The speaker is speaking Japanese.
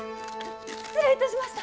失礼いたしました。